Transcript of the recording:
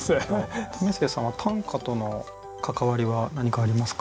為末さんは短歌との関わりは何かありますか？